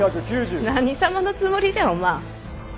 何様のつもりじゃお万。